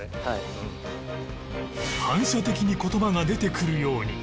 反射的に言葉が出てくるように